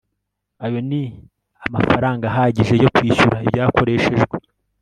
Ayo ni amafaranga ahagije yo kwishyura ibyakoreshejwe